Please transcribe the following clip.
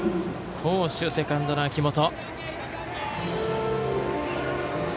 好守、セカンドの秋元。